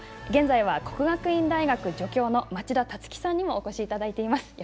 現在は国学院大学助教の町田樹さんにもお越しいただいています。